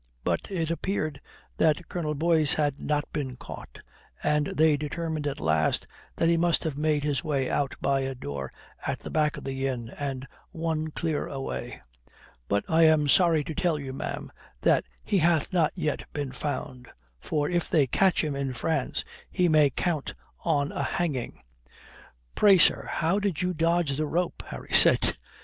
But it appeared that Colonel Boyce had not been caught, and they determined at last that he must have made his way out by a door at the back of the inn and won clear away. But I am sorry to tell you, ma'am, that he hath not yet been found. For if they catch him in France, he may count on a hanging." "Pray, sir, how did you dodge the rope?" Harry said.